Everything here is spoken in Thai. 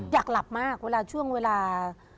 อยากหลับมากช่วงเวลา